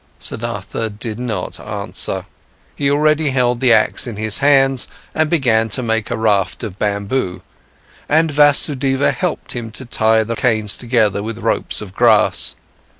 Siddhartha did not answer. He already held the axe in his hands and began to make a raft of bamboo, and Vasudeva helped him to tie the canes together with ropes of grass.